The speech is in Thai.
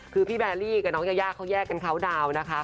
คือพี่แบรี่กับน้องยายาเขาแยกกันเขาดาวน์นะคะ